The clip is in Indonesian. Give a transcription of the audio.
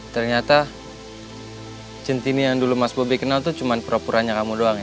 ternyata centini yang dulu mas bobi kenal tuh cuma perapurannya kamu doang ya